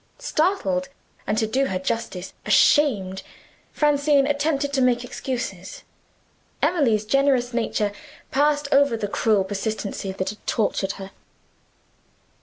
Startled and to do her justice ashamed, Francine attempted to make excuses. Emily's generous nature passed over the cruel persistency that had tortured her.